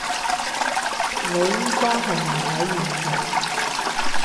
你而家係咪喺現場？